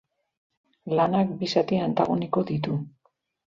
Lanak bi zati antagoniko ditu.